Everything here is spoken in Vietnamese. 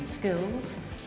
để chia sẻ